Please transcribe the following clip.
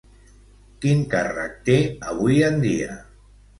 Quin càrrec té avui en dia?